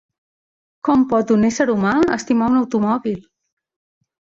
Com pot un ésser humà estimar a un automòbil?